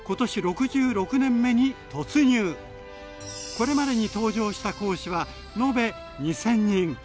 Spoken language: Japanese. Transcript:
これまでに登場した講師は延べ２，０００人。